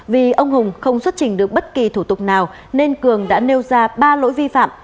vì ông hùng không xuất trình được bất kỳ thủ tục nào nên cường đã nêu ra ba lỗi vi phạm